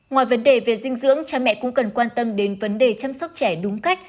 ngoài vấn đề về dinh dưỡng cha mẹ cũng cần quan tâm đến vấn đề chăm sóc trẻ đúng cách